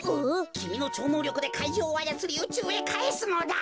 きみのちょうのうりょくで怪獣をあやつりうちゅうへかえすのだ！